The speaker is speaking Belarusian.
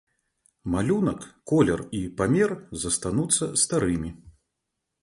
Малюнак, колер і памер застануцца старымі.